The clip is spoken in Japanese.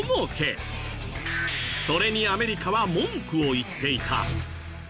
それにアメリカは文句を言っていた。